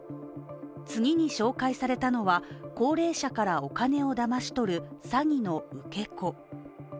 次に紹介されたのは高齢者からお金をだまし取る詐欺の受け子。